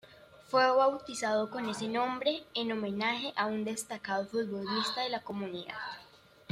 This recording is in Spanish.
Fue bautizado con ese nombre en homenaje a un destacado futbolista de la comunidad.